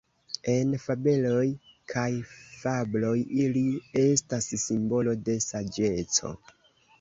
En fabeloj kaj fabloj ili estas simbolo de saĝeco.